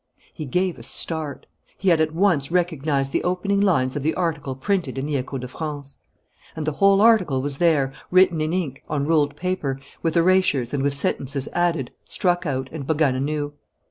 He gave a start. He had at once recognized the opening lines of the article printed in the Echo de France. And the whole article was there, written in ink, on ruled paper, with erasures, and with sentences added, struck out, and begun anew.